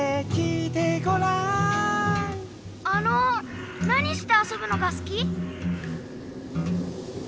あのなにしてあそぶのがすき？